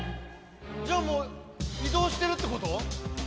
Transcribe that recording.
じゃもう移動してるってこと？